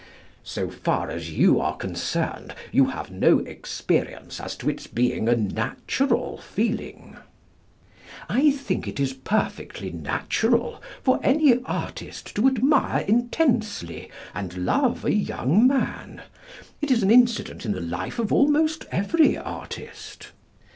So far as you are concerned you have no experience as to its being a natural feeling? I think it is perfectly natural for any artist to admire intensely and love a young man. It is an incident in the life of almost every artist.